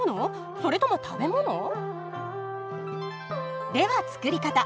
それとも食べ物？では作り方。